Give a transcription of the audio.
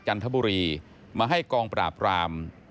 จันทบุรีมาให้กองปราบราม